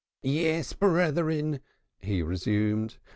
"Yes, brethren," he resumed.